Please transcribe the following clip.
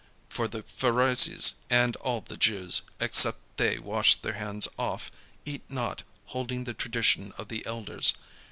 (For the Pharisees, and all the Jews, except they wash their hands oft, eat not, holding the tradition of the elders.